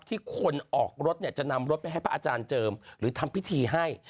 ที่คนออกรถเนี่ยจะนำรถไปให้พระอาจารย์เจิมหรือทำพิธีให้